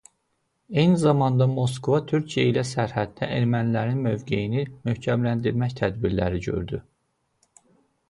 Eyni zamanda Moskva Türkiyə ilə sərhəddə ermənilərin mövqeyini möhkəmləndirmək tədbirləri gördü.